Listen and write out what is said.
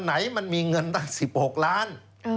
ไหนมันมีเงินตั้ง๑๖ล้าน